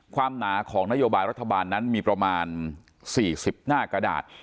หนาของนโยบายรัฐบาลนั้นมีประมาณ๔๐หน้ากระดาษ